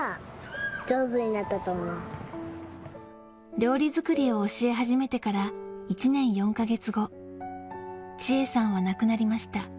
料理作りを教え始めてから１年４か月後、千恵さんは亡くなりました。